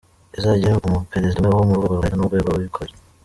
Izagira Umuperezida umwe wo mu rwego rwa Leta n’uwo mu rwego rw’abikorera.